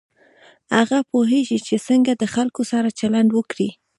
هغه پوهېږي چې څنګه د خلکو سره چلند وکړي.